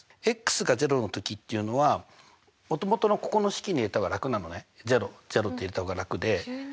が０の時っていうのはもともとのここの式に入れた方が楽なのね００って入れた方が楽で。